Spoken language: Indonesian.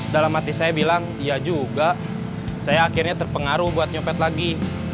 dalam hati saya bilang ya juga saya akhirnya terpengaruh buat nyopet lagi